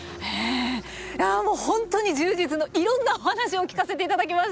いやもう本当に充実のいろんなお話を聞かせて頂きました。